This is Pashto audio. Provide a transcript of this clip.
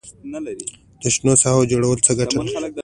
د شنو ساحو جوړول څه ګټه لري؟